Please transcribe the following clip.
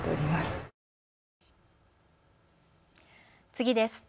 次です。